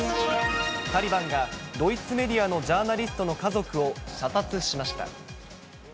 タリバンがドイツメディアのジャーナリストの家族を射殺しました。